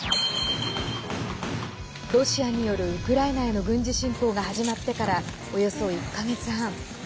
ロシアによるウクライナへの軍事侵攻が始まってからおよそ１か月半。